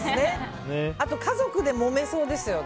あと、家族でもめそうですよね。